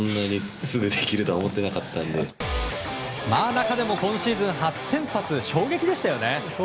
中でも今シーズン初先発衝撃でしたよね。